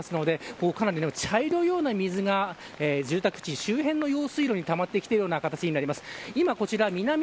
上の方から流れてきているのでかなり茶色いような水が住宅地周辺の用水路にたまってきているような形になります。